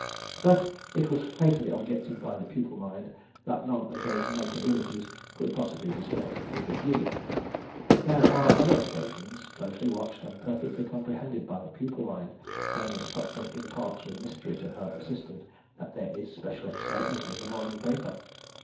But, it was fatally objected by the pupil mind, that none of those notabilities could possibly be spelt with a G. There are other occasions, closely watched and perfectly comprehended by the pupil mind, when Miss Pupford imparts with mystery to her assistant that there is special excitement in the morning paper.